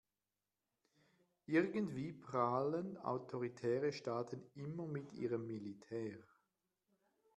Irgendwie prahlen autoritäre Staaten immer mit ihrem Militär.